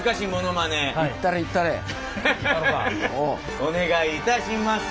お願いいたします。